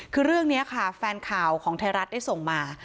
คือเรื่องนี้ค่ะแฟนข่าวของไทยรัฐได้ส่งมา